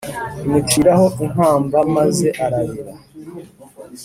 Imuciraho inkamba maze ararira